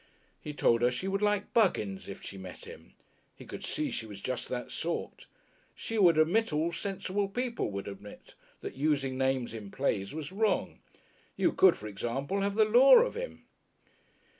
He told her she would like Buggins if she met him; he could see she was just that sort. She would admit, all sensible people would admit, that using names in plays was wrong. You could, for example, have the law of him.